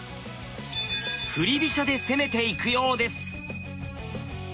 振り飛車で攻めていくようです。